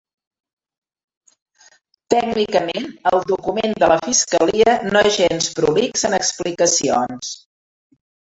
Tècnicament, el document de la fiscalia no és gens prolix en explicacions.